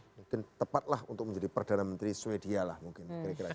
mungkin tepatlah untuk menjadi perdana menteri swedia lah mungkin